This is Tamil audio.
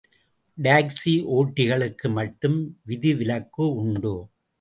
டாக்சி ஓட்டிகளுக்கு மட்டும் விதிவிலக்கு உண்டு.